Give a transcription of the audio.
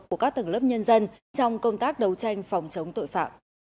của các tầng lớp nhân dân trong công tác đấu tranh phòng chống tội phạm